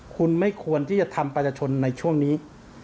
คุณไม่ควรที่จะทำประชาชนในช่วงนี้